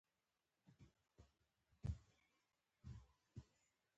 د میوو ډک باغونه زموږ خوب دی.